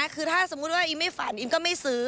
คือถ้าสมมุติว่าอิมไม่ฝันอิมก็ไม่ซื้อ